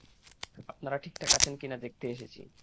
আপনারা ঠিকঠাক আছেন কি না দেখতে এসেছি।